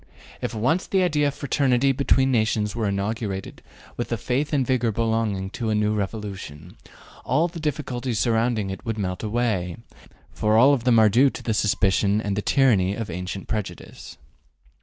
If once the idea of fraternity between nations were inaugurated with the faith and vigor belonging to a new revolution, all the difficulties surrounding it would melt away, for all of them are due to suspicion and the tyranny of ancient prejudice.